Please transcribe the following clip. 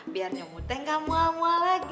biar nyomot teh nggak mua mua lagi